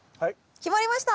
決まりました。